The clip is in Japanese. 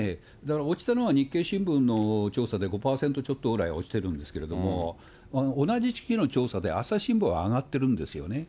落ちたのは、日経新聞の調査で５％ちょっとぐらい落ちてるんですけども、同じ時期の調査で朝日新聞は上がってるんですよね。